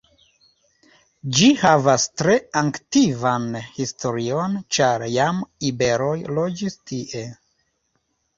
Ĝi havas tre antikvan historion ĉar jam iberoj loĝis tie.